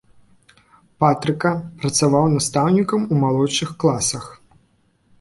Патрыка, працаваў настаўнікам у малодшых класах.